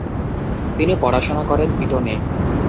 তিনি পড়াশোনা করেন ইটনে।